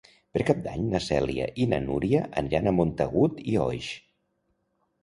Per Cap d'Any na Cèlia i na Núria aniran a Montagut i Oix.